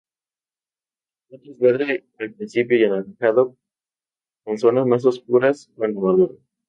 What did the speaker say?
El fruto es verde al principio y anaranjado con zonas más oscuras cuando madura.